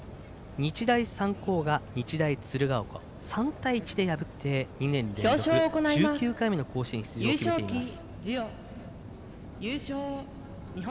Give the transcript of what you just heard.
日大三高が日大鶴ヶ丘を３対１で破って２年連続１９回目の甲子園出場を決めています。